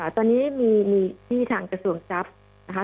ตอนนี้มีที่ทางกระทรวงทรัพย์นะคะ